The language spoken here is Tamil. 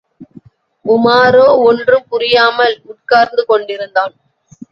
உமாரோ ஒன்றும் புரியாமல் உட்கார்ந்து கொண்டிருந்தான்.